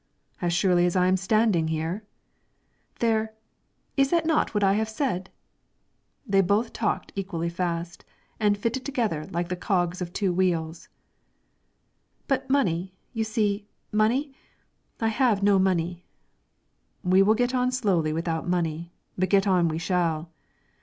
"As surely as I am standing here!" "There, is not that just what I have said?" They both talked equally fast, and fitted together like the cogs of two wheels. "But money, you see, money? I have no money." "We will get on slowly without money; but get on we shall!"